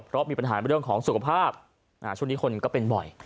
เพราะมีปัญหาเรื่องของสุขภาพช่วงนี้คนก็เป็นบ่อย